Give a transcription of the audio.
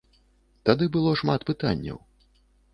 Тады было шмат пытанняў.